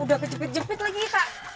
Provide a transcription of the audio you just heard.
udah kejepit jepit lagi kak